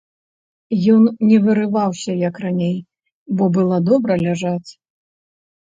Ён не вырываўся, як раней, бо было добра ляжаць.